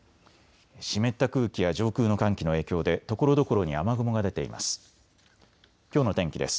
湿った空気や上空の寒気の影響でところどころに雨雲が出ています。